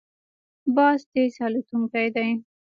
باز تېز الوتونکی دی